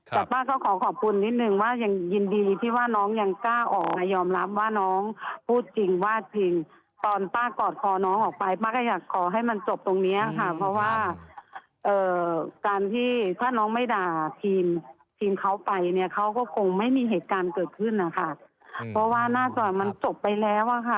แต่ป้าก็ขอขอบคุณนิดนึงว่ายังยินดีที่ว่าน้องยังกล้าออกมายอมรับว่าน้องพูดจริงวาดพิงตอนป้ากอดคอน้องออกไปป้าก็อยากขอให้มันจบตรงเนี้ยค่ะเพราะว่าการที่ถ้าน้องไม่ด่าทีมทีมเขาไปเนี่ยเขาก็คงไม่มีเหตุการณ์เกิดขึ้นนะคะเพราะว่าน่าจะมันจบไปแล้วอ่ะค่ะ